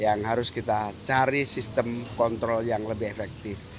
yang harus kita cari sistem kontrol yang lebih efektif